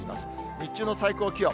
日中の最高気温。